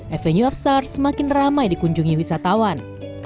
avenue of stars semakin ramai dikunjungi wisatawan